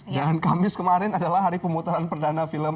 dan kamis kemarin adalah hari pemutaran perdana film